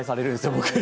僕。